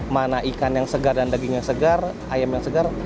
mana ikan yang segar dan dagingnya segar ayam yang segar